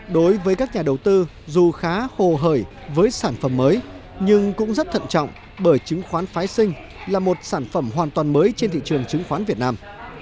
đối với các nhà đầu tư dù khá hồ hởi với sản phẩm mới nhưng cũng rất thận trọng bởi chứng khoán phái sinh là một sản phẩm hoàn toàn mới trên thị trường chứng khoán việt nam